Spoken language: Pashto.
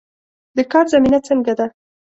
د کار زمینه څنګه ده؟